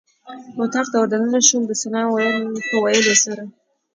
اتاق ته ور دننه شوم د سلام په ویلو سره.